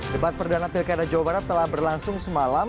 debat perdana pilkada jawa barat telah berlangsung semalam